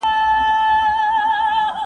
زه اوږده وخت زدکړه کوم!